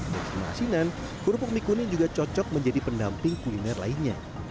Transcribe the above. selain asinan kerupuk mie kuning juga cocok menjadi pendamping kuliner lainnya